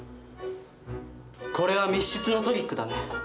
これは密室のトリックだね。